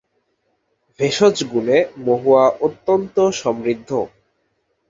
ভেষজ গুণে মহুয়া অত্যন্ত সমৃদ্ধ।